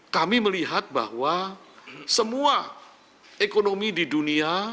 kami melihat bahwa semua ekonomi di dunia